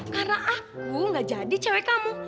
karena aku gak jadi cewek kamu